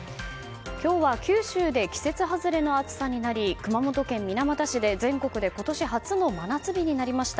今日は九州で季節外れの暑さになり熊本県水俣市で全国で今年初の真夏日になりました。